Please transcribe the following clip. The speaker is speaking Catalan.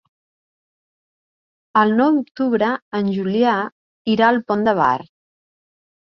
El nou d'octubre en Julià irà al Pont de Bar.